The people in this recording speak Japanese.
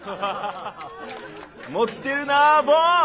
持ってるなぁボン！